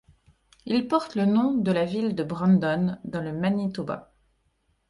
Il porte le nom de la ville de Brandon, dans le Manitoba.